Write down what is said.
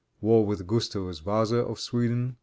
War with Gustavus Vasa of Sweden.